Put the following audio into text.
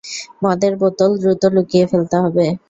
মদের বোতল দ্রুত লুকিয়ে ফেলতে হবে।